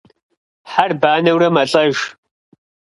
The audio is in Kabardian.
Хьэр банэурэ мэлӏэж.